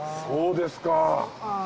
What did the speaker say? そうですか。